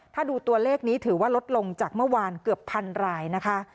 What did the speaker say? ถ้าดูตัวเลขนี้ถือว่าลดลงจากเมื่อวานเกือบพันรายนะคะ